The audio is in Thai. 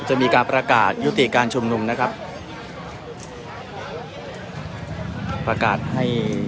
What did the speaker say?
อันนี้จะควบคุมกับการเก็บหรือจะเปิดกลับไปซะ